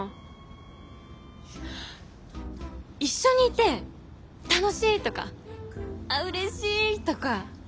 一緒にいて楽しいとかああうれしいとか。